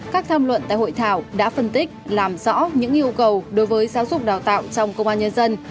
các tham luận tại hội thảo đã phân tích làm rõ những yêu cầu đối với giáo dục đào tạo trong công an nhân dân